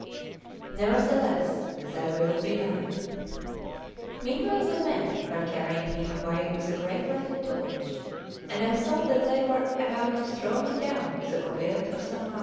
Nevertheless, Thy will be done." Meanwhile the men were carrying me away with a great lighted torch; and I thought that they were about to throw me down the oubliette of Sammabo.